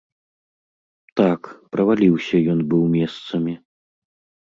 Так, праваліўся ён быў месцамі.